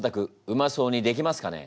うまそうにできますかね？